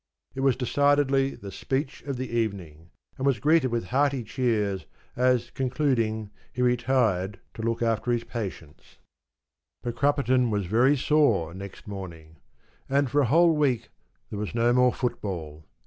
It was decidedly the ‘speech of the evening,’ and was greeted with hearty cheers as, concluding, he retired to look after his patients. But Crupperton was very sore next morning; and for a whole week there was no more football.